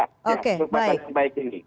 untuk perbataan yang baik ini